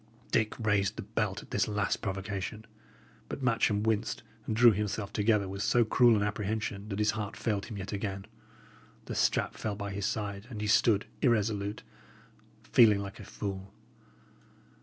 Dick raised the belt at this last provocation, but Matcham winced and drew himself together with so cruel an apprehension, that his heart failed him yet again. The strap fell by his side, and he stood irresolute, feeling like a fool.